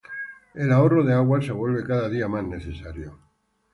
El ahorro de agua se vuelve cada dia mas necesario